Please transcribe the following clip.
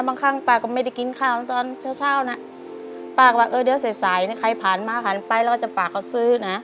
บางครั้งป้าก็ไม่ได้กินข้าวตอนเช้านะป้าก็บอกเออเดี๋ยวใส่นี่ใครผ่านมาผ่านไปแล้วก็จะป้าก็ซื้อนะ